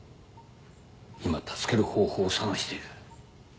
今助ける方法を探している。